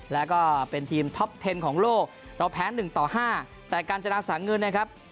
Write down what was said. แล้วก็เป็นทีมท็อปเทนของโลกเราแพ้หนึ่งต่อห้าแต่การจนาสังเงินนะครับ